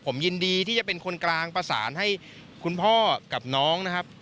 ผมยินดีที่จะเป็นคนกลางประสานให้คุณพ่อกับน้องนะครับ